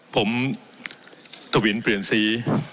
ผมทวินเปลี่ยนสี